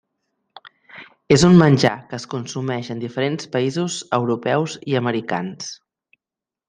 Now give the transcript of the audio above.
És un menjar que es consumeix en diferents països europeus i americans.